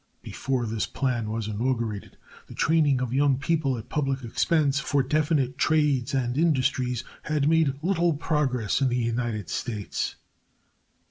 Before this plan was inaugurated, the training of young people at public expense for definite trades and industries had made little progress in the United States.